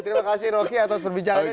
terima kasih rocky atas perbincangannya